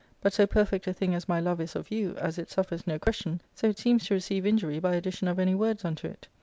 But so perfect a thing as my love is of you, as it suffers no question, so it seems to receive injury by addition of any words unto it.